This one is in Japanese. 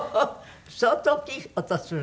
相当大きい音するね。